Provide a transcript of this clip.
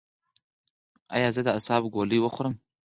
ایا زه د اعصابو ګولۍ وخورم؟